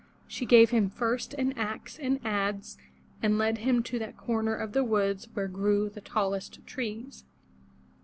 She gave him first an axe and adze and led him to that corner of the woods where grew the tallest trees.